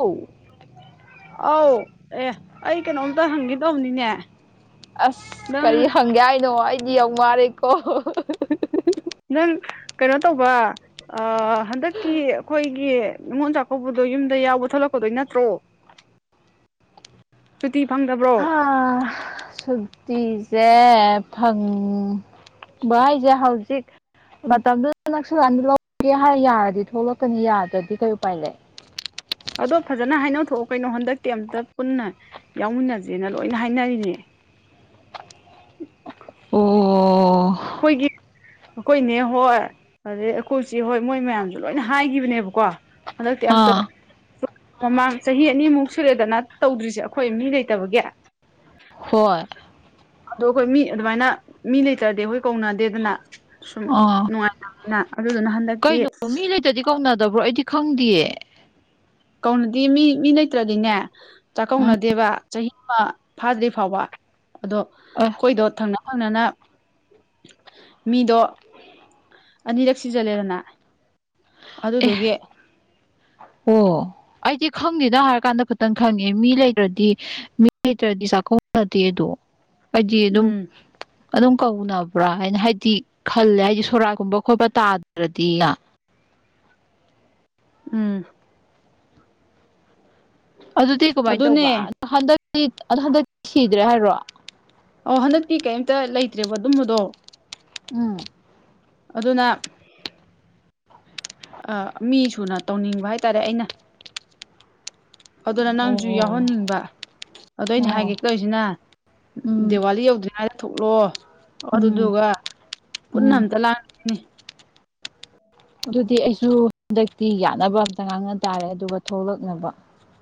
ꯑꯧ ꯑꯧ ꯑꯦ ꯑꯩ ꯀꯩꯅꯣꯝꯇ ꯍꯪꯒꯦ ꯇꯧꯕꯅꯤꯅꯦ ꯑꯁ ꯀꯔꯤ ꯅꯪ ꯍꯪꯒꯦ ꯍꯥꯏꯅꯣ ꯑꯩꯗꯤ ꯌꯥꯝ ꯋꯥꯔꯦꯀꯣ ꯅꯪ ꯀꯩꯅꯣ ꯇꯧꯕ ꯑ ꯍꯟꯗꯛꯀꯤ ꯑꯩꯈꯣꯏꯒꯤ ꯉꯣꯟꯜ ꯆꯥꯛꯀꯧꯕꯗꯣ ꯌꯨꯝꯗ ꯌꯥꯎꯕ ꯊꯣꯛꯂꯛꯄꯗꯣꯏ ꯅꯠꯇ꯭ꯔꯣ ꯁꯨꯇꯤ ꯐꯪꯗꯕ꯭ꯔꯣ ꯁꯨꯛꯇꯤꯁꯦ ꯐꯪꯉ ꯚꯥꯏꯁꯦ ꯍꯧꯖꯤꯛ ꯃꯇꯝꯗꯨꯗ ꯅꯛꯁꯨꯂꯥꯟꯗ ꯂꯧꯒꯦ ꯍꯥꯏꯔ ꯌꯥꯔꯗꯤ ꯊꯣꯛꯂꯛꯀꯅꯤ ꯌꯥꯗ꯭ꯔꯗꯤ ꯀꯩ ꯎꯄꯥꯏ ꯂꯩ ꯑꯗꯣ ꯐꯖꯅ ꯍꯥꯏꯅꯧ ꯊꯣꯛꯑꯣ ꯀꯩꯅꯣ ꯍꯟꯗꯛ ꯀꯩ ꯑꯝꯇ ꯄꯨꯟꯅ ꯌꯥꯎꯃꯤꯟꯅꯁꯦꯅ ꯂꯣꯏꯅ ꯍꯥꯏꯅꯔꯤꯅꯦ ꯑꯣ ꯑꯩꯈꯣꯏꯒꯤ ꯑꯩꯈꯣꯏꯅꯦ ꯍꯣꯏ ꯑꯗꯩ ꯑꯩꯈꯣꯏꯁꯤꯦ ꯍꯣꯏ ꯃꯣꯏ ꯃꯌꯥꯝꯁꯨ ꯂꯣꯏꯅ ꯍꯥꯏꯈꯤꯕꯅꯦꯕꯀꯣ ꯑꯗ ꯌꯥꯝ ꯇ ꯑꯥ ꯃꯃꯥꯡ ꯆꯍꯤ ꯑꯅꯤꯃꯨꯛ ꯁꯨꯔꯦꯗꯅ ꯇꯧꯗ꯭ꯔꯤꯁꯦ ꯑꯩꯈꯣꯏ ꯃꯤ ꯂꯩꯇꯕꯒꯤ ꯍꯣꯏ ꯑꯗꯣ ꯑꯩꯈꯣꯏ ꯃꯤ ꯑꯗꯨꯃꯥꯏꯅ ꯃꯤ ꯂꯩꯇꯔꯗꯤ ꯑꯩꯈꯣꯏ ꯀꯧꯅꯗꯦꯗꯅ ꯁꯨꯝ ꯑꯥ ꯅꯨꯡꯉꯥꯏ ꯑꯗꯨ ꯑꯗꯨ ꯅꯅ ꯍꯟ ꯀꯩꯅꯣ ꯃꯤ ꯂꯩꯇꯗꯤ ꯀꯧꯅꯗꯕ꯭ꯔꯣ ꯑꯩꯗꯤ ꯈꯪꯗꯦꯌꯦ ꯀꯧꯅꯗꯤ ꯃꯤ ꯃꯤ ꯂꯩꯇ꯭ꯔꯗꯤꯅꯦ ꯎꯝ ꯆꯥꯛꯀꯧꯅꯗꯦꯕ ꯆꯍꯤ ꯑꯃ ꯐꯥꯗ꯭ꯔꯤ ꯐꯥꯎꯕ ꯑꯗꯣ ꯑ ꯑꯩꯈꯣꯏꯗꯣ ꯊꯪꯅ ꯊꯪꯅꯅ ꯃꯤꯗꯣ ꯑꯅꯤꯔꯛ ꯁꯤꯖꯜꯂꯦꯗꯅ ꯑꯦ ꯑꯗꯨꯗꯨꯒꯤ ꯑꯣ ꯑꯩꯗꯤ ꯈꯪꯗꯦꯅ ꯍꯥꯏꯔ ꯀꯥꯟꯗ ꯇꯪ ꯈꯪꯉꯦ ꯃꯤ ꯂꯩꯇ꯭ꯔꯗꯤ ꯃꯤ ꯂꯩꯇ꯭ꯔꯗꯤ ꯆꯥꯛꯀꯧꯅꯗꯦ ꯑꯗꯣ ꯄꯖꯤ ꯑꯗꯨꯝ ꯎꯝ ꯑꯗꯨꯝ ꯀꯧꯅꯕ꯭ꯔꯥ ꯍꯥꯏꯅ ꯍꯥꯏꯗꯤ ꯈꯜꯂꯦ ꯍꯥꯏꯗꯤ ꯁꯣꯔꯥꯀꯨꯝꯕ ꯈꯣꯠꯄ ꯇꯥꯗ꯭ꯔꯗꯤ ꯎꯝ ꯑꯗꯨꯗꯤ ꯀꯃꯥꯏꯅ ꯑꯗꯨꯅꯦ ꯇꯧꯕ ꯑ ꯍꯟꯗꯛꯇꯤ ꯑꯣ ꯍꯟꯗꯛꯇꯤ ꯁꯤꯗ꯭ꯔꯦ ꯍꯥꯏꯔꯣ ꯑꯣ ꯍꯟꯗꯛꯇꯤ ꯀꯩꯝꯇ ꯂꯩꯇ꯭ꯔꯦꯕ ꯑꯗꯨꯝꯕꯗꯣ ꯎꯝ ꯑꯗꯨꯅ ꯑ ꯃꯤ ꯁꯨꯅ ꯇꯧꯅꯤꯡꯕ ꯍꯥꯏꯇꯥꯔꯦ ꯑꯩꯅ ꯑꯗꯨꯅ ꯅꯪꯁꯨ ꯑꯣ ꯌꯥꯎꯍꯟꯅꯤꯡꯕ ꯑꯗꯣ ꯑꯩꯅ ꯑꯣ ꯍꯥꯏꯒꯦ ꯀꯧꯔꯤꯁꯤꯅ ꯎꯝ ꯗꯤꯋꯥꯂꯤ ꯌꯧꯗ꯭ꯔꯤꯉ ꯊꯣꯛꯂꯣ ꯎꯝ ꯑꯗꯨꯗꯨꯒ ꯄꯨꯟꯅ ꯎꯝ ꯑꯝꯇ ꯂꯥꯟ ꯑꯗꯨꯗꯤ ꯑꯩꯁꯨ ꯍꯟꯗꯛꯇꯤ ꯌꯥꯅꯕ ꯑꯝꯇ ꯉꯥꯡꯅ ꯇꯥꯔꯦ ꯑꯗꯨꯒ ꯊꯣꯛꯂꯛꯅꯕ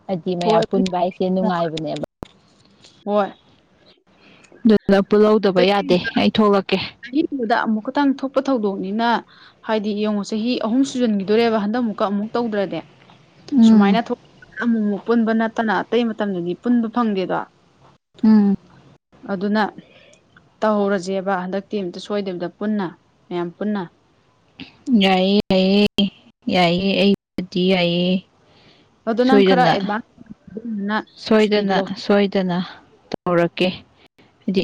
ꯍꯥꯏꯗꯤ ꯃꯌꯥꯝ ꯄꯨꯟꯕ ꯍꯥꯏꯁꯦ ꯅꯨꯡꯉꯥꯏꯕꯅꯦꯕ ꯍ [unintelligible] ꯑꯗꯨꯗ ꯄꯨꯜꯍꯧꯗꯕ ꯌꯥꯗꯦ ꯑꯩ ꯊꯣꯛꯂꯛꯀꯦ ꯑꯍꯤꯡꯕꯗ ꯑꯃꯨꯛ ꯈꯛꯇꯪ ꯊꯣꯛꯄ ꯊꯧꯗꯣꯛꯅꯤꯅ ꯍꯥꯏꯗꯤ ꯌꯦꯡꯉꯣ ꯆꯍꯤ ꯑꯍꯨꯝ ꯁꯨꯖꯟꯈꯤꯗꯣꯏꯣꯔꯦꯕ ꯍꯟꯗꯛ ꯑꯃꯨꯛꯀ ꯑꯃꯨꯛ ꯇꯧꯗ꯭ꯔꯗꯤ ꯎꯝ ꯁꯨꯃꯥꯏꯅ ꯊꯣꯛ ꯑꯃꯨꯛ ꯑꯃꯨꯛ ꯄꯨꯟꯕ ꯅꯠꯇꯅ ꯑꯇꯩ ꯃꯇꯝꯗꯨꯗꯤ ꯄꯨꯟꯕ ꯐꯪꯗꯦꯗꯣ ꯎꯝ ꯑꯗꯨꯅ ꯇꯧꯍꯧꯔꯁꯦꯕ ꯍꯟꯗꯛ ꯇꯤꯝꯇ ꯁꯣꯏꯗꯕꯤꯗ ꯄꯨꯟꯅ ꯃꯌꯥꯝ ꯄꯨꯟꯅ ꯌꯥꯏꯌꯦ ꯌꯥꯏꯑꯦ ꯌꯥꯏꯑ ꯑꯩꯕꯨꯗꯤ ꯌꯥꯏꯑꯦ ꯑꯗꯨ ꯅꯪ ꯈꯔ ꯑꯦꯚ ꯁꯣꯏꯗꯅ ꯁꯣꯏꯗꯅ ꯇꯧꯔꯛꯀꯦ ꯍꯥꯏꯗꯤ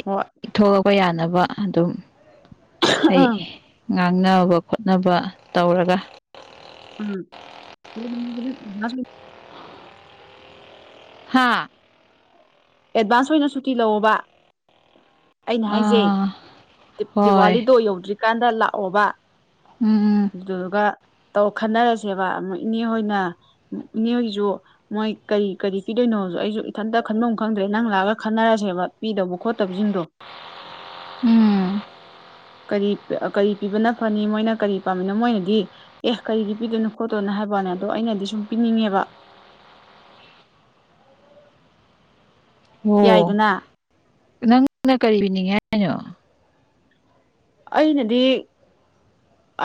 ꯊꯣꯛꯂꯛꯄ ꯌꯥꯅꯕ ꯑꯗꯨꯝ ꯑꯩ ꯉꯥꯡꯅꯕ ꯈꯣꯠꯅꯕ ꯇꯧꯔꯒ ꯎꯝ ꯍꯥꯥ ꯑꯦꯗꯚꯥꯟꯁ ꯑꯣꯏꯅ ꯁꯨꯇꯤ ꯂꯧꯑꯣꯕ ꯑꯩꯅ ꯍꯥꯏꯖꯩ ꯑꯥ ꯍꯣꯏ ꯗꯤꯋꯥꯂꯤꯗꯣ ꯌꯧꯗ꯭ꯔꯤꯀꯥꯟꯗ ꯂꯥꯛꯑꯣꯕ ꯎꯝ ꯎꯝ ꯑꯗꯨꯗꯨꯒ ꯇꯧ ꯈꯟꯅꯔꯁꯦꯕ ꯑꯃꯨꯛ ꯏꯅꯦ ꯍꯣꯏꯅ ꯏꯅꯦꯣꯏꯒꯤꯁꯨ ꯃꯣꯏ ꯀꯔꯤ ꯀꯔꯤ ꯄꯤꯗꯣꯏꯅꯣꯁꯨ ꯑꯩꯁꯨ ꯏꯊꯟꯇ ꯈꯟꯕ ꯉ ꯈꯪꯗ꯭ꯔꯦ ꯅꯪ ꯂꯥꯛꯑꯒ ꯈꯟꯅꯔꯁꯦꯕ ꯄꯤꯗꯕ ꯈꯣꯠꯇꯕꯁꯤꯡꯗꯣ ꯎꯝ ꯀꯔꯤ ꯀꯔꯤ ꯄꯤꯕꯅ ꯐꯅꯤ ꯃꯣꯏꯅ ꯀꯔꯤ ꯄꯥꯝꯃꯤꯅꯣ ꯃꯣꯏꯅꯗꯤ ꯑꯦ ꯀꯔꯤꯒꯤ ꯄꯤꯗꯣꯏꯅꯣ ꯈꯣꯠꯇꯣꯏꯅꯣ ꯍꯥꯏꯕꯅꯦ ꯑꯗꯣ ꯑꯩꯅꯗꯤ ꯁꯨꯝ ꯄꯤꯅꯤꯡꯉꯦꯕ ꯑꯣ ꯌꯥꯏꯗꯅ ꯅꯪꯅ ꯀꯔꯤ ꯄꯤꯅꯤꯡꯉꯦ ꯍꯥꯏꯅꯣ ꯑꯩꯅꯗꯤ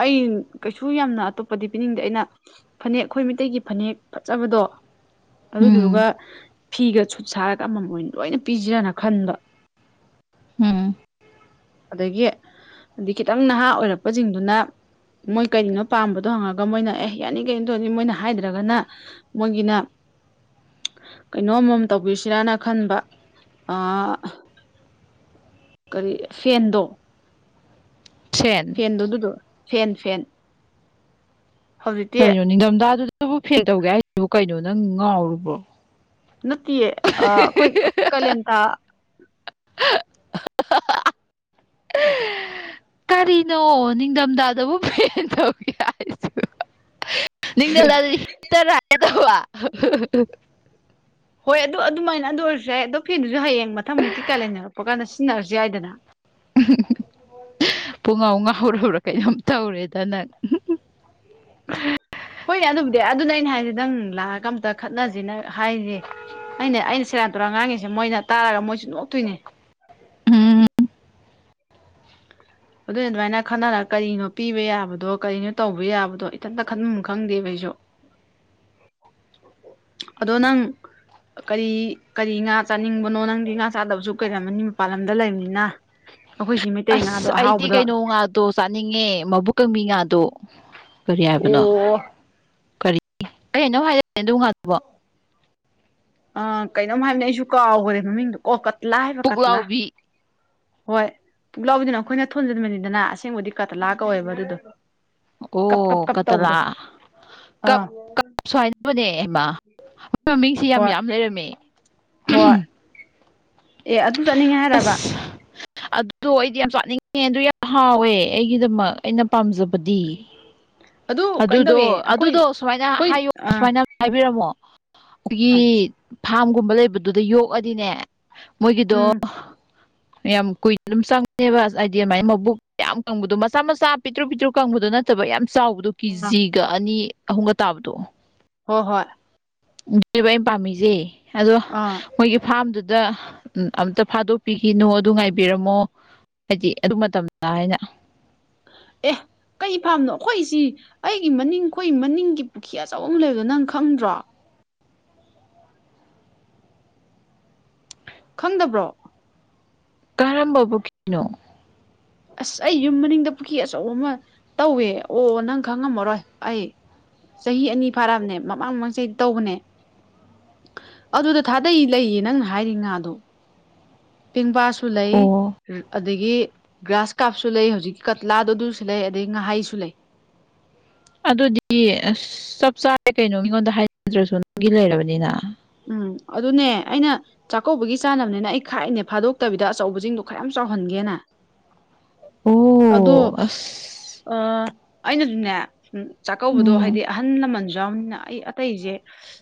ꯑꯩ ꯀꯩꯁꯨ ꯌꯥꯝꯅ ꯑꯇꯣꯞꯄꯗꯤ ꯄꯤꯅꯤꯡꯗꯦ ꯑꯩꯅ ꯐꯅꯦꯛ ꯑꯩꯈꯣꯏ ꯃꯩꯇꯩꯒꯤ ꯐꯅꯦꯛ ꯐꯖꯕꯗꯣ ꯎꯝ ꯑꯗꯨꯗꯨꯒ ꯐꯤꯒ ꯁꯨꯠ ꯁꯥꯔꯒ ꯑꯃꯃꯝ ꯑꯣꯏꯅ ꯂꯣꯏꯅ ꯄꯤꯁꯤꯔꯅ ꯈꯟꯕ ꯎꯝ ꯑꯗꯒꯤ ꯑꯩ ꯈꯤꯇꯪ ꯅꯍꯥ ꯑꯣꯏꯔꯛꯄꯁꯤꯡꯗꯨꯅ ꯃꯣꯏ ꯀꯔꯤꯅꯣ ꯄꯥꯝꯕꯗꯣ ꯍꯪꯉꯒ ꯃꯣꯏꯅ ꯑꯦꯍ ꯌꯥꯅꯤ ꯀꯩꯅꯣ ꯇꯧꯅꯤ ꯃꯣꯏꯅ ꯍꯥꯏꯗ꯭ꯔꯒꯅ ꯃꯒꯤꯅ ꯀꯩꯅꯣꯝꯃꯝ ꯇꯧꯕꯤꯁꯤꯔꯥꯅ ꯈꯟꯕ ꯑ ꯀꯔꯤ ꯐꯦꯟꯗꯣ ꯇ꯭ꯔꯦꯟ ꯑꯗꯨ ꯐꯦꯟ ꯐꯦꯟ ꯍꯧꯖꯤꯛꯇꯤ ꯀꯔꯤꯅꯣ ꯅꯤꯡꯊꯝꯊꯥꯗꯨꯗꯕꯨ ꯐꯦꯜ ꯇꯧꯒꯦ ꯍꯥꯏꯁꯤꯕꯨ ꯀꯩꯅꯣ ꯅꯪ ꯉꯥꯎꯨꯕ꯭ꯔꯣ ꯅꯠꯇꯦꯌꯦ ꯑꯩꯈꯣꯏ ꯀꯥꯂꯦꯟ ꯊꯥ [unintelligible] [unintelligible] ꯀꯔꯤꯅꯣ ꯅꯤꯡꯊꯝꯊꯥꯗꯕꯨ ꯐꯦꯟ ꯇꯧꯒꯦ ꯍꯥꯏꯁꯨ ꯅꯤꯡꯅ ꯂꯇꯔꯒꯗꯧꯕ ꯍꯣꯏ ꯑꯗꯨ ꯑꯗꯨꯃꯥꯏꯅ ꯑꯗꯨ ꯑꯣꯏꯔꯁꯨ ꯌꯥꯏ ꯑꯗꯣ ꯐꯤꯗꯨꯁꯨ ꯍꯌꯦꯡ ꯃꯊꯪꯃꯨꯛꯀꯤ ꯀꯥꯂꯦꯟꯟꯅꯔꯛꯄ ꯀꯥꯟꯗ ꯁꯤꯖꯤꯟꯅꯔꯁꯨ ꯌꯥꯏꯗꯅ [unintelligible] ꯄꯨꯡꯉꯥꯎ ꯉꯍꯧꯔ ꯍꯧꯔꯥ ꯀꯩꯅꯣꯝ ꯇꯧꯔꯦꯗꯅꯪ ꯍꯣꯏꯅꯦ ꯑꯗꯨꯕꯨꯗꯤ ꯑꯗꯨꯅ ꯑꯩꯅ ꯍꯥꯏꯁꯦꯗꯪ ꯂꯥꯛꯑꯒ ꯑꯝꯇ ꯈꯠꯅꯁꯤꯅ ꯍꯥꯏꯁꯦ ꯑꯅꯦ ꯑꯩꯅ ꯁꯦꯔꯥꯟ ꯇꯧꯨꯔꯥꯟ ꯉꯥꯡꯉꯤꯁꯦ ꯃꯣꯏꯅ ꯇꯥꯔꯒ ꯃꯣꯏꯁꯨ ꯅꯣꯛꯇꯣꯏꯅꯦ ꯎꯝ ꯑꯗꯨꯅ ꯑꯗꯨꯃꯥꯏꯅ ꯈꯟꯅꯔꯒ ꯀꯔꯤꯅꯣ ꯄꯤꯕ ꯌꯥꯕꯗꯣ ꯀꯔꯤꯅꯣ ꯇꯧꯕ ꯌꯥꯕꯗꯣ ꯏꯊꯟꯇ ꯈꯟꯐꯝ ꯈꯪꯗꯦꯕ ꯑꯩꯁꯨ ꯑꯗꯣ ꯅꯪ ꯀꯔꯤ ꯀꯔꯤ ꯉꯥ ꯆꯥꯅꯤꯡꯕꯅꯣ ꯅꯪꯗꯤ ꯉꯥ ꯆꯥꯗꯕꯁꯨ ꯀꯩꯔꯝꯃꯅꯤ ꯃꯄꯥꯥꯟ ꯂꯝꯗ ꯂꯩꯕꯅꯤꯅ ꯑꯩꯈꯣꯏ ꯁꯤꯃꯦꯠ ꯑꯁ ꯑꯩꯗꯤ ꯀꯩꯅꯣ ꯉꯥꯗꯣ ꯆꯥꯅꯤꯡꯉꯦ ꯃꯕꯨꯛꯀꯪꯕꯤ ꯉꯥꯗꯣ ꯀꯔꯤ ꯍꯥꯏꯕꯅꯣ ꯑꯣ ꯀꯔꯤ [unintelligible] ꯑꯗꯨ ꯉꯥꯗꯨꯕꯨ ꯑꯥ ꯀꯩꯅꯣꯝ ꯍꯥꯏꯕꯅꯦ ꯑꯩꯁꯨ ꯀꯥꯎꯈ꯭ꯔꯦ ꯃꯃꯤꯡꯗꯣ ꯑꫭ ꯀꯠꯂꯥ ꯍꯥꯏꯕ ꯀꯠꯂꯥ ꯄꯨꯛꯂꯥꯎꯕꯤ ꯍꯣꯏ ꯄꯨꯛꯂꯥꯎꯕꯤꯗꯨꯅ ꯑꯩꯈꯣꯏꯅ ꯊꯣꯟꯖꯤꯟꯕꯅꯤꯗꯅ ꯑꯁꯦꯡꯕꯗꯤ ꯀꯠꯂꯥ ꯀꯧꯋꯦꯕ ꯑꯗꯨꯗꯣ ꯀꯞ ꯀꯞ ꯑꯣ ꯀꯞ ꯀꯇꯂꯥ ꯇꯧꯕꯗꯣ ꯀꯞ ꯑꯥ ꯁꯨ ꯍꯥꯏꯥꯏꯅꯕꯅꯦ ꯏꯃ ꯑꯩꯣꯏ ꯃꯃꯤꯡꯁ ꯌꯥꯝ ꯍꯣꯏ ꯌꯥꯝ ꯂꯩꯔꯝꯃꯤ ꯍꯣꯏ ꯑꯦ ꯑꯗꯨ ꯆꯠꯅꯤꯡꯉꯦ ꯍꯥꯏꯔꯕ ꯑꯁ ꯑꯗꯨꯗꯣ ꯑꯩꯗꯤ ꯌꯥꯝ ꯆꯥꯅꯤꯡꯉꯦ ꯑꯗꯨ ꯌꯥꯝ ꯍꯥꯎꯋꯦ ꯑꯩꯒꯤꯗꯃꯛ ꯑꯩꯅ ꯄꯥꯝꯖꯕꯗꯤ [inaudible] ꯑꯗꯨ ꯀꯩꯅꯣ ꯑꯗꯨꯗꯣ ꯇꯧꯋꯦ ꯑꯩꯈꯣꯏ ꯑꯗꯨꯗꯣ ꯁꯨꯃꯥꯏꯅ ꯑꯩꯈꯣꯏ ꯍꯥꯏꯌꯣ ꯑꯥ ꯁ ꯍꯥꯏꯕꯤꯔꯝꯃꯣ ꯑꯩꯈꯣꯏꯒꯤ ꯐꯥꯝꯒꯨꯝꯕ ꯂꯩꯕꯗꯨꯗ ꯌꯣꯛꯑꯗꯤꯅꯦ ꯃꯒꯗꯨꯣ [inaudible] ꯌꯥꯝ ꯀꯨꯏꯅ ꯑꯗꯨꯝ ꯆꯪꯉꯦꯕ ꯍꯥꯏꯗꯤ ꯑꯗꯨꯃꯥꯏꯅ ꯃꯕꯨꯛ ꯌꯥꯝ ꯀꯪꯕꯗꯣ ꯃꯆꯥ ꯃꯆꯥ ꯄꯤꯛꯇ꯭ꯔꯨ ꯄꯤꯛꯇ꯭ꯔꯨ ꯀꯪꯕꯗꯨ ꯅꯠ ꯅꯠꯇꯕ ꯌꯥꯝ ꯆꯥꯎꯕꯗꯣ ꯑꯥ ꯀꯦꯖꯤꯒ ꯑꯅꯤ ꯑꯍꯨꯝꯒ ꯇꯥꯕꯗꯣ ꯍꯣꯏ ꯍꯣꯏ [unintelligible] ꯑꯩꯅ ꯄꯥꯝꯃꯤꯁꯦ ꯑꯗꯣ ꯑꯥ ꯃꯣꯏꯒꯤ ꯐꯥꯔꯝꯗꯨꯗ ꯑꯝꯇ ꯐꯥꯗꯣꯛꯄꯤꯈꯤꯅꯣ ꯑꯗꯨ ꯉꯥꯏꯕꯤꯔꯝꯃꯣ ꯍꯥꯏꯗꯤ ꯑꯗꯨ ꯃꯇꯝꯗ ꯍꯥꯏꯅ ꯑꯦ ꯀꯩ ꯐꯥꯝꯅꯣ ꯑꯩꯈꯣꯏꯁꯤ ꯑꯩꯒꯤ ꯃꯅꯤꯡ ꯑꯩꯈꯣꯏ ꯃꯅꯤꯡꯒꯤ ꯄꯨꯈ꯭ꯔ ꯑꯆꯧꯕ ꯑꯃ ꯂꯩꯕꯗꯣ ꯅꯪ ꯈꯪꯗ꯭ꯔꯣ ꯈꯪꯗꯕ꯭ꯔꯣ ꯀꯔꯝꯕ ꯄꯨꯈꯤꯔꯅꫭ ꯑꯁ ꯑꯩ ꯌꯨꯝ ꯃꯅꯤꯡꯗ ꯄꯨꯈ꯭ꯔꯤ ꯑꯆꯧꯕ ꯑꯃ ꯇꯧꯋꯦ ꯑꯣ ꯅꯪ ꯈꯪꯉꯝꯃꯔꯣꯏ ꯑꯩ ꯆꯍꯤ ꯑꯅꯤ ꯐꯥꯔꯛꯑꯕꯅꯦ ꯃꯃꯥꯡ ꯃꯃꯥꯡ ꯆꯍꯤ ꯇꯧꯕꯅꯦ ꯑꯗꯨꯗ ꯊꯥꯗꯩ ꯂꯩꯌꯦ ꯅꯪꯅ ꯍꯥꯏꯔꯤ ꯉꯥꯗꯣ ꯄꯦꯡꯕꯥꯁꯨ ꯂꯩ ꯑꯣ ꯑꯗꯒꯤ ꯒ꯭ꯔꯥꯁ ꯀꯥꯞꯁꯨ ꯂꯩ ꯍꯧꯖꯤꯛꯀꯤ ꯀꯠꯂꯥꯗꫭ ꯑꯗꯨ ꯂꯩ ꯑꯗꯩ ꯉꯥꯍꯥꯏꯁꯨ ꯂꯩ ꯑꯗꯨꯗꯤ ꯑꯁ ꯆꯞ ꯆꯥꯔꯦ ꯀꯩꯅꯣ ꯃꯤꯉꯣꯟꯗ ꯍꯥꯏꯗ꯭ꯔꯁꯨ ꯅꯪꯒꯤ ꯂꯩꯔꯕꯅꯤꯅ ꯎꯝ ꯑꯗꯨꯅꯦ ꯑꯩꯅ ꯆꯥꯛꯀꯧꯕꯒꯤ ꯆꯥꯅꯕꯅꯤꯅ ꯑꯩ ꯈꯥꯏꯅꯦ ꯐꯥꯗꯣꯛꯇꯕꯤꯗ ꯑꯆꯧꯕꯁꯤꯡꯗꯣ ꯈꯔꯌꯥꯝ ꯆꯥꯎꯍꯟꯒꯦꯅ ꯑꯗꫭ ꯑꯣ ꯑꯁ ꯑꯥ ꯑꯩꯅꯁꯨꯅꯦ ꯎ ꯆꯥꯛꯀꯧꯕꯗꯣ ꯎꯝ ꯍꯥꯏꯗꯤ ꯑꯍꯜ ꯂꯃꯟꯁꯨ ꯌꯥꯎꯅꯤꯅ ꯑꯩ ꯑꯇꯩꯁꯦ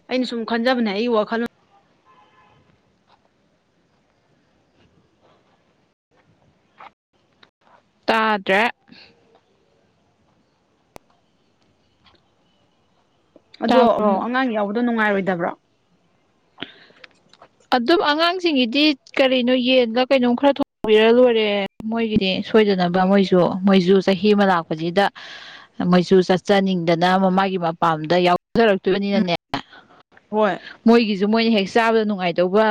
ꯑꯩꯅ ꯁꯨꯝ ꯈꯟꯖꯕꯅꯦ ꯑꯩ ꯋꯥꯈꯜꯅ ꯇꯥꯗ꯭ꯔꯦ ꯑꯗꯣ ꯇꯥꯕ꯭ꯔꯣ ꯑꯃꯨꯛ ꯑꯉꯥꯡ ꯌꯥꯎꯕꯗꯣ ꯅꯨꯡꯉꯥꯏꯔꯣꯏꯗꯕ꯭ꯔꯣ ꯑꯗꯨꯞ ꯑꯉꯥꯡꯁꯤꯡꯒꯤꯗꯤ ꯀꯔꯤꯅꯣ ꯌꯦꯟꯒ ꯀꯩꯅꯣꯝ ꯈꯔ ꯊꯣꯡꯕꯤꯔ ꯂꯣꯏꯔꯦ ꯃꯣꯏꯒꯤꯗꯤ ꯁꯣꯏꯗꯅꯕ ꯃꯣꯏꯁꯨ ꯃꯣꯏꯁꯨ ꯆꯍꯤ ꯑꯃ ꯂꯥꯛꯄꯁꯤꯗ ꯃꯣꯏꯁꯨ ꯆꯠꯆꯅꯤꯡꯗꯅ ꯃꯃꯥꯒꯤ ꯃꯄꯥꯝꯗ ꯌꯥꯎꯖꯔꯛꯇꯣꯏꯕꯅꯤꯅꯅꯦ ꯍꯣꯏ ꯃꯣꯏꯒꯤꯁꯨ ꯃꯣꯏꯅ ꯍꯦꯛ ꯆꯥꯕꯗ ꯅꯨꯡꯉꯥꯏꯗꯧꯕ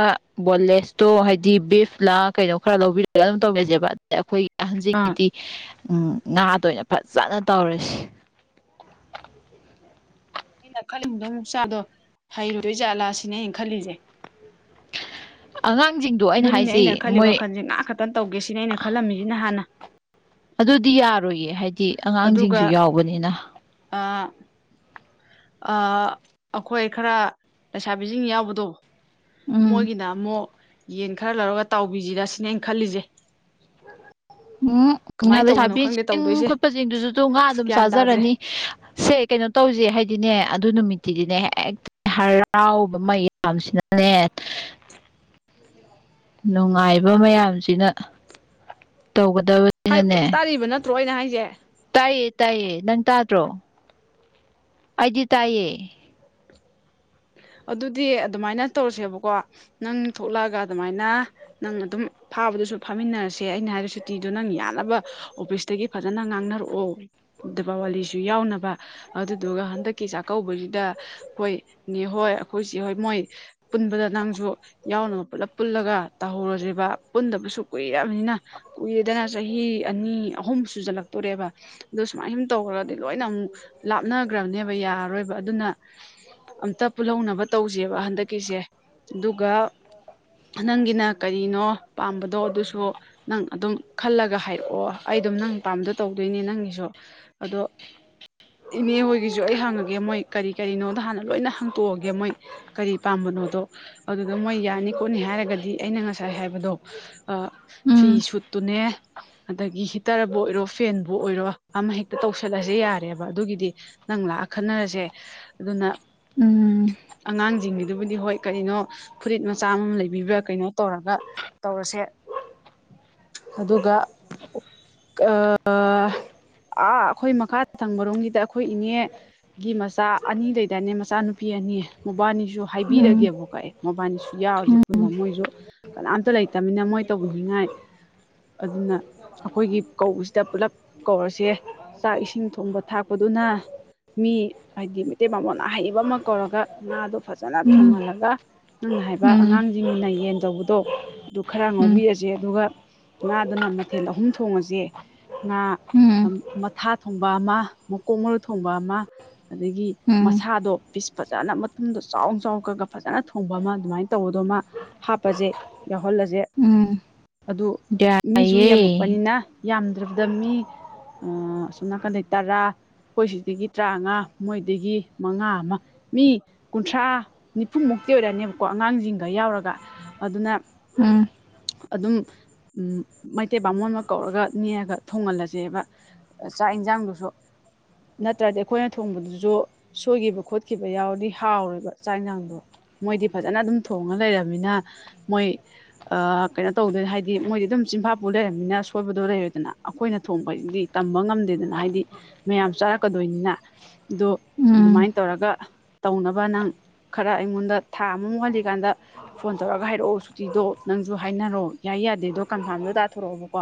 ꯕꯣꯟꯂꯦꯁꯇꯣ ꯍꯥꯏꯗꯤ ꯕꯤꯐꯂꯥ ꯀꯩꯅꯣ ꯈꯔ ꯂꯧꯕꯤꯔ ꯑꯗꯨꯝ ꯇꯧꯒꯖꯦꯕ ꯑꯩꯈꯣꯏꯒꯤ ꯑꯥ ꯑꯍꯥꯟꯖꯤꯀꯤꯗꯤ ꯉꯥꯗ ꯑꯣꯏꯅ ꯐꯖꯅ ꯇꯧꯔꯁꯤ ꯑꯩꯅ ꯈꯜꯂꯤꯕꯗꯣ ꯆꯥꯗꯣ ꯍꯩꯔꯨꯗꯣꯏ ꯖꯥꯠꯂꯥꯁꯤꯅꯦ ꯑꯩꯅ ꯈꯜꯂꯤꯁꯦ ꯑꯉꯥꯡꯁꯤꯡꯗꯣ ꯑꯗꯨꯅꯤꯅꯦ ꯑꯩꯅ ꯍꯥꯏꯁꯤ ꯈꯜꯂꯤ ꯃꯣꯏ ꯋꯥꯈꯜꯁꯦ ꯉꯥꯏꯍꯥꯛ ꯈꯛꯇꯪ ꯇꯧꯒꯦ ꯁꯤꯅꯦ ꯑꯩꯅ ꯈꯜꯂꯝꯃꯤꯁꯤꯅꯤ ꯍꯥꯟꯅ ꯑꯗꯨꯗꯤ ꯌꯥꯔꯣꯏꯌꯦ ꯍꯥꯏꯗꯤ ꯑꯉꯥꯡꯁꯤꯡꯁꯨ ꯑꯗꯨꯒ ꯌꯥꯎꯕꯅꯤꯅ ꯑꯥ ꯑꯩꯈꯣꯏ ꯈꯔ ꯂꯩꯁꯥꯕꯤꯁꯤꯡ ꯌꯥꯎꯕꯗꯣ ꯎꯝ ꯃꯣꯏꯒꯤꯅ ꯑꯃꯨꯛ ꯌꯦꯟ ꯈꯔ ꯂꯧꯔꯒ ꯇꯥꯎꯕꯤꯁꯤꯔ ꯁꯤꯅꯦ ꯑꯩꯅ ꯈꯜꯂꯤꯁꯦ ꯎꯝ ꯉꯥ ꯀꯃꯥꯏꯅ ꯇꯧꯕꯅꯣ ꯈꯪꯗꯦ ꯂꯩꯁꯥꯕꯤꯁꯤꯡ ꯇꯧꯗꯣꯏꯁꯦ ꯈꯣꯠꯄꯁꯤꯡꯗꯨꯁꯨꯁꯨ ꯉꯥ ꯑꯗꯨꯝ ꯒ꯭ꯌꯥꯟ ꯇꯥꯗ꯭ꯔꯦ ꯆꯥꯖꯔꯅꯤ ꯁꯦ ꯀꯩꯅꯣ ꯇꯧꯁꯦ ꯍꯥꯏꯗꯤꯅꯦ ꯑꯗꯨ ꯅꯨꯃꯤꯠꯇꯤꯗꯤꯅꯦ ꯍ ꯍꯛꯇ ꯍꯔꯥꯎꯕ ꯃꯌꯥꯝꯁꯤꯅꯅꯦ ꯅꯨꯡꯉꯥꯏꯕ ꯃꯌꯥꯝꯁꯤꯅ ꯇꯧꯒꯗꯕ ꯍꯥꯏ ꯇꯥꯔꯤꯕ ꯅꯠꯇ꯭ꯔꯣ ꯑꯩꯅ ꯍꯥꯏꯁꯦ ꯇꯥꯏꯌꯦ ꯇꯥꯏꯌꯦ ꯅꯪ ꯇꯥꯗ꯭ꯔꯣ ꯑꯩꯗꯤ ꯇꯥꯏꯌꯦ ꯑꯗꯨꯗꯤ ꯑꯗꯨꯃꯥꯏꯅ ꯇꯧꯔꯁꯦꯕꯀꯣ ꯅꯪ ꯊꯣꯛꯂꯛꯑꯒ ꯑꯗꯨꯃꯥꯏꯅ ꯅꯪ ꯑꯗꯨꯝ ꯐꯥꯕꯗꯨꯁꯨ ꯐꯥꯃꯤꯟꯅꯔꯁꯦ ꯑꯩꯅ ꯍꯥꯏꯔꯤꯕ ꯁꯨꯇꯤꯗꯣ ꯅꯪ ꯌꯥꯅꯕ ꯑꯣꯐꯤꯁ ꯗꯒꯤ ꯐꯖꯅ ꯉꯥꯡꯅꯔꯛꯑꯣ ꯗꯤꯋꯥꯂꯤꯁꯨ ꯌꯥꯎꯅꯕ ꯑꯗꯨꯗꯨꯒ ꯍꯟꯗꯛꯀꯤ ꯆꯥꯛꯀꯧꯕꯁꯤꯗ ꯑꯩꯈꯣꯏ ꯅꯦ ꯍꯣꯏ ꯑꯩꯈꯣꯏ ꯆꯦ ꯍꯣꯏ ꯃꯣꯏ ꯄꯨꯟꯕꯗ ꯅꯪꯁꯨ ꯌꯥꯎꯅꯒ ꯄꯨꯂꯞ ꯄꯨꯜꯂꯒ ꯇꯧꯍꯧꯔꯁꯔꯤꯕꯕ ꯄꯨꯟꯗꯕꯁꯨ ꯀꯨꯏꯕꯅꯤꯅ ꯀꯨꯏꯔꯦꯗꯅ ꯆꯍꯤ ꯑꯅꯤ ꯑꯍꯨꯝ ꯁꯨꯖꯜꯂꯛꯇꯣꯔꯦꯕ ꯑꯗꯨ ꯁꯨꯃꯥꯏ ꯁꯨꯝ ꯇꯧꯈ꯭ꯔꯗꯤ ꯂꯣꯏꯅ ꯑꯃꯨꯛ ꯂꯥꯞꯅꯈ꯭ꯔꯕꯅꯦꯕ ꯌꯥꯔꯔꯣꯏꯕ ꯑꯗꯨꯅ ꯑꯝꯇ ꯄꯨꯜꯍꯧꯅꯕ ꯇꯧꯁꯦꯕ ꯍꯟꯗꯛꯀꯤꯁꯦ ꯑꯗꯨꯒ ꯅꯪꯒꯤꯅ ꯀꯔꯤꯅꯣ ꯄꯥꯝꯕꯗꯣ ꯑꯗꯨꯁꯨ ꯅꯪ ꯑꯗꯨꯝ ꯈꯜꯂꯒ ꯍꯥꯏꯔꯛꯑꯣ ꯑꯩ ꯑꯗꯨꯝ ꯅꯪ ꯄꯥꯝꯗ ꯇꯧꯗꯣꯏꯅꯦ ꯅꯪꯒꯤꯁꯨ ꯑꯗꯣ ꯏꯅꯦ ꯍꯣꯏꯒꯤꯁꯨ ꯑꯩ ꯍꯪꯉꯒꯦ ꯃꯣꯏ ꯀꯔꯤ ꯀꯔꯤꯅꯣꯗ ꯍꯥꯟꯅ ꯂꯣꯏꯅ ꯍꯥꯡꯇꯣꯛꯑꯒꯦ ꯃꯣꯏ ꯀꯔꯤ ꯄꯥꯝꯕꯅꯣꯗꯣ ꯑꯗꯨꯗ ꯃꯣꯏ ꯌꯥꯅꯤ ꯈꯣꯠꯅꯤ ꯍꯥꯏꯔꯒꯗꯤ ꯑꯩꯅ ꯉꯁꯥꯏ ꯍꯥꯏꯕꯗꯣ ꯑ ꯐꯤ ꯎꯝ ꯁꯨꯠꯇꯨꯅꯦ ꯑꯗꯒꯤ ꯍꯤꯇꯔꯕꯨ ꯑꯣꯏꯔꯣ ꯐꯦꯟꯕꯨ ꯑꯣꯏꯔꯣ ꯑꯃ ꯍꯦꯛꯇ ꯇꯧꯁꯜꯂꯁꯦ ꯌꯥꯔꯦꯕ ꯑꯗꯨꯒꯤꯗꯤ ꯅꯪ ꯂꯥꯛꯑ ꯈꯟꯅꯔꯁꯦ ꯑꯗꯨꯅ ꯎꯝ ꯑꯉꯥꯡꯁꯤꯡꯒꯤꯗꯨꯕꯨꯗꯤ ꯍꯣꯏ ꯀꯩꯅꯣ ꯐꯨꯔꯤꯠ ꯃꯆꯥ ꯑꯃꯝ ꯂꯩꯕꯤꯕ꯭ꯔꯥ ꯀꯩꯅꯣ ꯇꯧꯔꯒ ꯇꯧꯔꯁꯦ ꯑꯗꯨꯒ ꯑꯥ ꯑꯩꯈꯣꯏ ꯃꯈꯥ ꯊꯪꯕꯔꯣꯝꯒꯤꯗ ꯑꯩꯈꯣꯏ ꯏꯅꯦ ꯒꯤ ꯃꯆꯥ ꯑꯅꯤ ꯂꯩꯗꯅꯦ ꯃꯆꯥꯅꯨꯄꯤ ꯑꯅꯤ ꯃꯕꯥꯅꯤꯁꯨ ꯎꯝ ꯍꯥꯏꯕꯤꯔꯒꯦꯕꯀꯣ ꯑꯦ ꯃꯣꯕꯥꯏꯜꯗꯁꯨ ꯌꯥꯎꯔꯤꯁꯦ ꯄꯨꯟꯅ ꯃꯣꯏꯁꯨ ꯀꯅꯥꯝꯇ ꯂꯩꯇꯅꯤꯅ ꯃꯣꯏ ꯇꯧꯕꯤꯅꯤꯡꯉꯥꯏ ꯑꯗꯨꯅ ꯑꯩꯈꯣꯏꯒꯤ ꯀꯧꯕꯁꯤꯗ ꯄꯨꯂꯞ ꯀꯧꯔꯁꯦ ꯆꯥꯛ ꯏꯁꯤꯡ ꯊꯣꯡꯕ ꯊꯥꯛꯄꯗꯨꯅ ꯃꯤ ꯍꯥꯏꯗꯤ ꯃꯩꯇꯩ ꯃꯃꯣꯟꯅ ꯍꯩ ꯑꯃꯧꯔꯒ ꯉꯥꯗꯨꯣ ꯐꯖꯅ ꯎꯝ ꯊꯣꯡꯍꯜꯂꯒ ꯅꯪꯅ ꯎꯝ ꯍꯥꯏꯕ ꯎꯝ ꯑꯉꯥꯡꯁꯤꯡꯅ ꯌꯦꯟ ꯇꯧꯕꯗꯣ ꯑꯗꯨ ꯈꯔ ꯉꯧꯕꯤꯔꯁꯦ ꯑꯗꯨꯒ ꯉꯥꯗꯨꯅ ꯃꯊꯦꯜ ꯑꯍꯨꯝ ꯊꯣꯡꯉꯁꯦ ꯉꯥ ꯎꯝ ꯃꯊꯥ ꯊꯣꯡꯕ ꯑꯃ ꯃꯀꯣꯛ ꯃꯔꯨ ꯊꯣꯡꯕ ꯑꯃ ꯑꯗꯒꯤ ꯎꯝ ꯎꯝ ꯃꯁꯥꯗꯣ ꯄꯤꯁ ꯐꯖꯅ ꯃꯇꯨꯝꯗꯣ ꯆꯥꯎ ꯆꯥꯎ ꯈꯒ ꯐꯖꯅ ꯊꯣꯡꯕ ꯑꯃ ꯑꯗꯨꯃꯥꯏꯅ ꯇꯧꯕꯗꯣꯃ ꯍꯥꯞꯄꯁꯦ ꯌꯥꯎꯍꯜꯂꯁꯦ ꯎꯝ ꯑꯗꯨ ꯃꯤꯁꯨ ꯌꯥꯏꯌꯦ ꯌꯥꯝꯃꯛꯄꯅꯤꯅ ꯌꯥꯝꯗ꯭ꯔꯕꯗ ꯃꯤ ꯑꯁꯣꯝ ꯅꯥꯀꯟꯗꯩ ꯇꯔꯥ ꯑꯩꯈꯣꯏ ꯁꯤꯗꯒꯤ ꯇꯔꯥꯃꯉꯥ ꯃꯣꯏꯗꯒꯤ ꯃꯉꯥ ꯑꯃ ꯃꯤ ꯀꯨꯟꯊ꯭ꯔꯥ ꯅꯤꯐꯨ ꯃꯨꯛꯇꯤ ꯑꯣꯏꯔꯛꯅꯦꯕꯀꯣ ꯑꯉꯥꯡꯁꯤꯡꯗ ꯌꯥꯎꯔꯒ ꯑꯗꯨꯅ ꯎꯝ ꯑꯗꯨꯝ ꯎ ꯃꯩꯇꯩ ꯄꯕꯥꯥꯃꯣꯟ ꯑꯃ ꯀꯧꯔꯒ ꯅꯦꯛꯑꯒ ꯊꯣꯡꯍꯜꯂꯁꯦꯕ ꯆꯥꯛ ꯌꯦꯟꯁꯥꯡꯗꯨꯁꯨ ꯅꯠꯇ꯭ꯔꯗꯤ ꯑꯩꯈꯣꯏꯅ ꯊꯣꯡꯕꯗꯨꯁꯨ ꯁꯣꯏꯈꯤꯕ ꯈ ꯆꯠꯈꯤꯕ ꯌꯥꯎꯔꯗꯤ ꯍꯥꯎꯔꯦꯕ ꯆꯥꯛꯁꯥꯡꯗꯣ ꯃꯣꯏꯗꯤ ꯐꯖꯅ ꯑꯗꯨꯝ ꯊꯣꯡꯉ ꯂꯩꯔꯕꯅꯤꯅ ꯃꯣꯏ ꯀꯩꯅꯣ ꯇꯧꯗꯣꯏꯅꯤ ꯍꯥꯏꯗꯤ ꯃꯣꯏꯗꯤ ꯑꯗꯨꯝ ꯆꯤꯟꯐꯥꯄꯨ ꯂꯩꯔꯕꯅꯤꯅ ꯁꯣꯏꯕꯗꯣ ꯂꯩꯔꯦꯗꯅ ꯑꯩꯈꯣꯏꯅ ꯊꯣꯡꯕꯁꯤꯗꯤ ꯇꯝꯕ ꯉꯝꯗꯦꯗꯅ ꯍꯥꯏꯗꯤ ꯃꯌꯥꯝ ꯆꯥꯔꯛꯀꯗꯣꯏꯅꯤꯅ ꯑꯗꯣ ꯎꯝ ꯑꯗꯨꯃꯥꯏꯅ ꯇꯧꯔꯒ ꯇꯧꯅꯕ ꯅꯪ ꯈꯔ ꯑꯩꯉꯣꯟꯗ ꯊꯥ ꯑꯃꯃꯨꯛ ꯍꯜꯂꯤꯀꯥꯟꯗ ꯐꯣꯟ ꯇꯧꯔꯒ ꯍꯥꯏꯔꯛꯑꯣ ꯁꯨꯇꯤꯗꯣ ꯅꯪꯁꯨ ꯍꯥꯏꯅꯔꯣ ꯌꯥꯏ ꯌꯥꯗꯦꯗꯣ ꯀꯟꯐꯥꯔꯝꯗꯣ ꯇꯥꯊꯣꯔꯛꯑꯣꯕꯀꯣ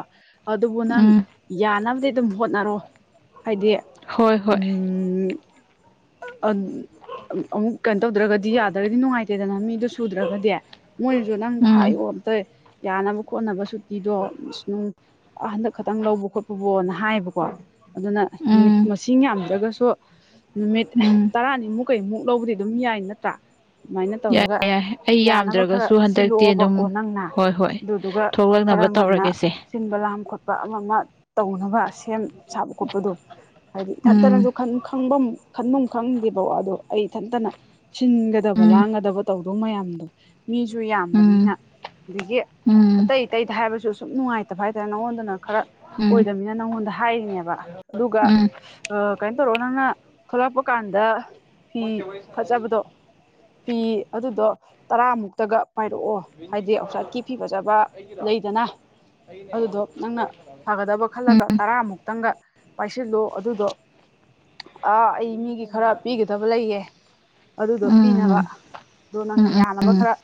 ꯑꯗꯨꯕꯨ ꯅꯪ ꯎꯝ ꯌꯥꯅꯕꯗꯤ ꯑꯗꯨꯝ ꯍꯣꯠꯅꯔꯣ ꯍꯥꯏꯗꯤ ꯍꯣꯏ ꯍꯣꯏ ꯎꯝ ꯎꯝ ꯑꯗꯨ ꯑꯃꯨꯛ ꯀꯩꯅꯣ ꯇꯧꯗ꯭ꯔꯒꯗꯤ ꯌꯥꯗ꯭ꯔꯒꯗꯤ ꯅꯨꯡꯉꯥꯏꯇꯦꯗꯅ ꯃꯤꯗꯨꯣ ꯁꯨꯗ꯭ꯔꯒꯗꯤ ꯃꯣꯏꯅꯁꯨ ꯅꯪꯗꯣ ꯎꯝ ꯍꯥꯏꯌꯣ ꯑꯝꯇ ꯌꯥꯅꯕ ꯈꯣꯠꯅꯕ ꯁꯨꯇꯤꯗꯣ ꯅꯨꯡ ꯍꯟꯗꯛ ꯈꯇꯪ ꯂꯧꯕ ꯈꯣꯠꯄꯕꯣꯅ ꯍꯥꯏꯌꯦꯕꯀꯣ ꯑꯗꯨꯅ ꯅꯨꯃꯤꯠ ꯎꯝ ꯃꯁꯤꯡ ꯌꯥꯝꯗ꯭ꯔꯒꯁꯨ ꯅꯨꯃꯤꯠ ꯎꯝ ꯇꯔꯥꯅꯤꯃꯨꯛ ꯀꯩ ꯃꯨꯛ ꯂꯧꯕꯗꯤ ꯑꯗꯨꯝ ꯌꯥꯏ ꯅꯠꯇ꯭ꯔꯥ ꯑꯗꯨꯃꯥꯏꯅ ꯌꯥꯏ ꯇꯧꯔꯒ ꯌꯥꯏ ꯑꯩ ꯌꯥꯅꯕ ꯈꯔ ꯌꯥꯝꯗ꯭ꯔꯒꯁꯨ ꯍꯟꯗꯛꯇꯤ ꯑꯗꯨꯝ ꯁꯤꯜꯂꯛꯑꯣꯕꯀꯣ ꯅꯪꯅ ꯍꯣꯏ ꯍꯣꯏ ꯑꯗꯨꯗꯨꯒ ꯈꯔ ꯊꯣꯛꯂꯛꯅꯕ ꯉꯟꯅ ꯇꯧꯔꯒꯦꯁꯦ ꯆꯤꯟꯕ ꯂꯥꯝ ꯈꯣꯠꯄ ꯑꯃ ꯑꯃ ꯇꯧꯅꯕ ꯁꯦꯝ ꯁꯥꯕ ꯈꯣꯠꯄꯗꯣ ꯍꯥꯏꯗꯤ ꯎꯝ ꯏꯊꯇꯅꯁꯨ ꯈꯪꯐꯝ ꯈꯟꯐꯝ ꯈꯪꯗꯦꯕ ꯑꯗꯣ ꯑꯩ ꯏꯊꯟꯇꯅ ꯁꯤꯟꯒꯗꯕ ꯎꯝ ꯂꯥꯡꯒꯗꯕ ꯇꯧꯗꯧ ꯃꯌꯥꯝꯗꯣ ꯃꯤꯁꯨ ꯌꯥꯝꯗꯕꯅꯤꯅ ꯎꯝ ꯑꯗꯒꯤ ꯎꯝ ꯑꯇꯩ ꯑꯇꯩꯗ ꯍꯥꯏꯕꯁꯨ ꯁꯨꯝ ꯅꯨꯡꯉꯥꯏꯇꯕ ꯍꯥꯏꯇꯥꯔꯦ ꯅꯪꯉꯣꯟꯗꯅ ꯈꯔ ꯎꯝ ꯑꯣꯏꯗꯃꯤꯅ ꯅꯪꯉꯣꯟꯗ ꯍꯥꯏꯔꯤꯅꯦꯕ ꯑꯗꯨꯒ ꯎꯝ ꯀꯩꯅꯣ ꯇꯧꯔꯣ ꯅꯪꯅ ꯊꯂꯛꯄ ꯀꯥꯟꯗ ꯐꯤ ꯐꯖꯕꯗꯣ ꯄꯤ ꯑꯗꯨꯗꯣ ꯇꯔꯥꯃꯨꯛꯇꯒ ꯄꯥꯏꯔꯛꯑꯣ ꯍꯥꯏꯗꯤ ꯑꯥꯎꯁꯥꯏꯠꯀꯤ ꯐꯤ ꯐꯖꯕ ꯂꯩꯗꯅ ꯑꯗꯨꯗꯣ ꯅꯪꯅ ꯐꯒꯗꯕ ꯎꯝ ꯈꯜꯂꯒ ꯇꯔꯥꯃꯨꯛꯇꯪꯒ ꯄꯥꯏꯁꯤꯜꯂꯨ ꯑꯗꯨꯗꯣ ꯑ ꯑꯩ ꯃꯤꯒꯤ ꯈꯔ ꯄꯤꯒꯗ ꯗꯕ ꯂꯩꯌꯦ ꯑꯗꯨꯗꯣ ꯎꯝ ꯎꯝ ꯄꯤꯅꯕ ꯎꯝ ꯑꯗꯣ ꯎꯝ ꯅꯪꯅ ꯎꯝ ꯌꯥꯅꯕ ꯎꯝ ꯈꯔ